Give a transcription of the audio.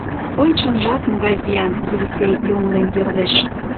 «Ой, чонжат, могай зиян!» Елисей йоҥлен йӧрлеш